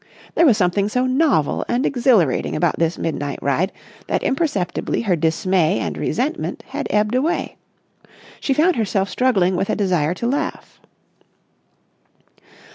There was something so novel and exhilarating about this midnight ride that imperceptibly her dismay and resentment had ebbed away. She found herself struggling with a desire to laugh.